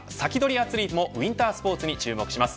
アツリートもウインタースポーツに注目します。